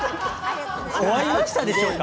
終わりましたでしょうか？